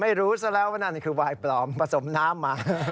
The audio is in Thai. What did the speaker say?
ไม่รู้ซะแล้วว่านั่นคือวายปลอมผสมน้ำมา